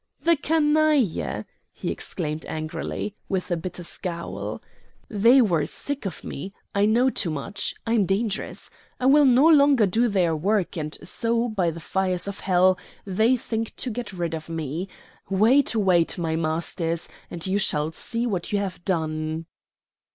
"The canaille!" he exclaimed angrily, with a bitter scowl. "They were sick of me. I know too much. I am dangerous. I will no longer do their work; and so, by the fires of hell, they think to get rid of me! Wait, wait, my masters, and you shall see what you have done."